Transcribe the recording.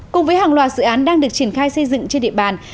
cùng với hàng loạt dự án đang được triển khai xây dựng trên địa bàn